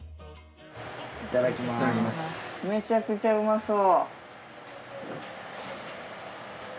めちゃくちゃうまそう。